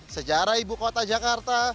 sejarah ibu kota jakarta